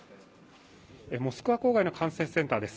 モスクワ郊外の管制センターです。